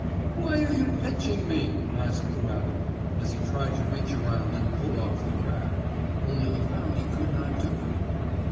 "Why are you pinching me?" asked the rabbit, as he tried to reach around and pull off the crab, only he found he could not do it.